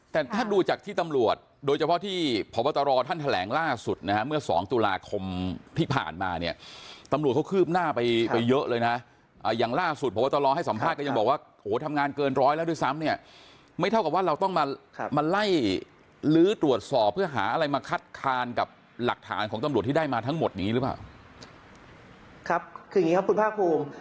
แต่ถ้าดูจากที่ตำรวจโดยเฉพาะที่พบตรท่านแถลงล่าสุดนะฮะเมื่อสองตุลาคมที่ผ่านมาเนี่ยตำรวจเขาคืบหน้าไปไปเยอะเลยนะอย่างล่าสุดพบตรให้สัมภาษณ์ก็ยังบอกว่าโหทำงานเกินร้อยแล้วด้วยซ้ำเนี่ยไม่เท่ากับว่าเราต้องมามาไล่ลื้อตรวจสอบเพื่อหาอะไรมาคัดค้านกับหลักฐานของตำรวจที่ได้มาทั้งหมดอย่างนี้หรือเปล่าครับคืออย่างนี้ครับคุณภาคภูมิ